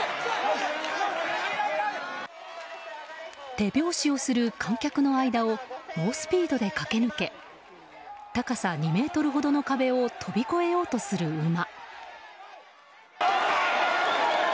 手拍子をする観客の間を猛スピードで駆け抜け高さ２ｍほどの壁を飛び越えようとする馬。